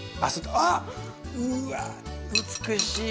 うわ美しい。